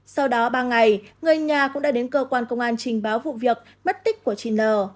sau đó ba ngày người nhà cũng đã đến cơ quan công an trình báo vụ việc mất tích của chị n